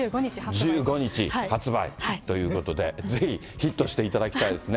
１５日発売ということで、ぜひヒットしていただきたいですね。